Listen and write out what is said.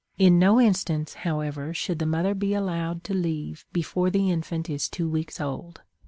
In no instance, however, should the mother be allowed to leave before the infant is two weeks old.